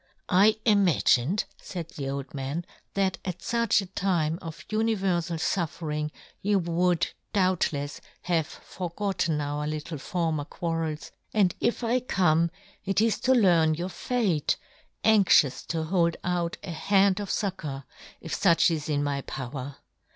" I imagined," faid the old man, " that at fuch a time of uni " verfal fuffering you would, doubt yohn Gutenberg. 83 ' lefs, have forgotten our little former ' quarrels, and if I come it is to learn ' your fate, anxious to hold out a * hand of fuccour, if fuch is in my * power.